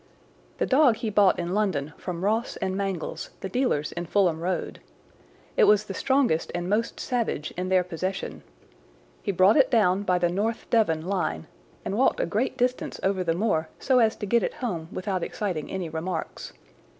The dog he bought in London from Ross and Mangles, the dealers in Fulham Road. It was the strongest and most savage in their possession. He brought it down by the North Devon line and walked a great distance over the moor so as to get it home without exciting any remarks.